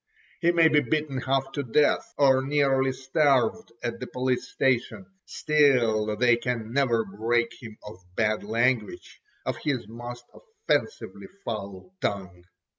He may be beaten half to death or nearly starved at the police station, still they can never break him of bad language, of his most offensively foul tongue.